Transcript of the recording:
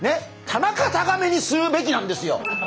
田中たがめにするべきなんですよ！